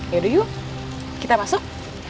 yaudah yuk kita masuk